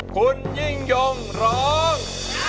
คุณยิ่งหย่มรอง